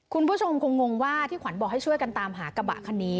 คุณผู้ชมคงงว่าที่ขวัญบอกให้ช่วยกันตามหากระบะคันนี้